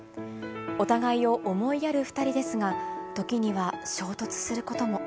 お互いを思いやる２人ですが、時には衝突することも。